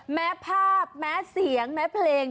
แม้ภาพแม้เสียงแม้เพลง